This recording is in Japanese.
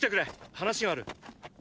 話がある。